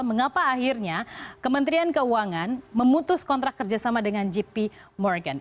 mengapa akhirnya kementerian keuangan memutus kontrak kerjasama dengan gp morgan